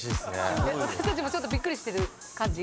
私たちもちょっとびっくりしてる感じ。